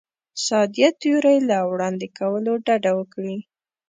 ساده تیورۍ له وړاندې کولو ډډه وکړي.